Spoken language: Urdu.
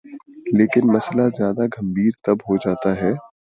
لیکن مسئلہ زیادہ گمبھیر تب ہو جاتا ہے۔